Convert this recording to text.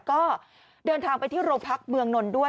ก็เดินทางไปที่โรงพักษณ์เมืองนทบุรีด้วย